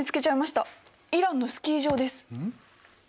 イランのスキー場です。